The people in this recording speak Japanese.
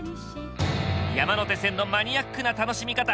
山手線のマニアックな楽しみ方。